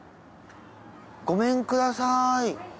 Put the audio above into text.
ごめんください！